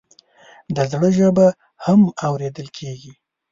د زړه ژبه هم اورېدل کېږي.